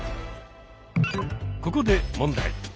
ここで問題。